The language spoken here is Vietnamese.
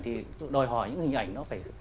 thì đòi hỏi những hình ảnh nó phải